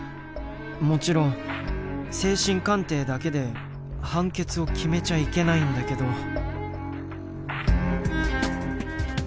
もちろん精神鑑定だけで判決を決めちゃいけないんだけど。